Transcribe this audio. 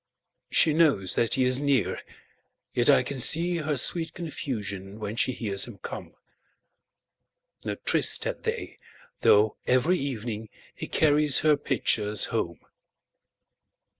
She knows that he is near, yet I can seeHer sweet confusion when she hears him come.No tryst had they, though every evening heCarries her pitchers home.